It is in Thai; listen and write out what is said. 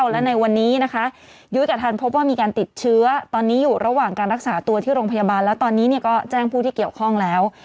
และในวันนี้นะคะยุ้ยกับทันพบว่ามีการติดเชื้อตอนนี้อยู่ระหว่างการรักษาตัวที่โรงพยาบาลแล้วตอนนี้ก็แจ้งผู้ที่เกี่ยวข้องแล้ว